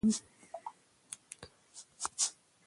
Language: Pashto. زه له چا سره جنګ نه کوم.